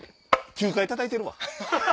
９回叩いてるわ。